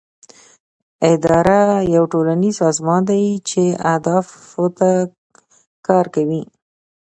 اداره یو ټولنیز سازمان دی چې اهدافو ته کار کوي.